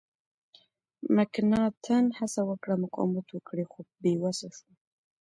مکناتن هڅه وکړه مقاومت وکړي خو بې وسه شو.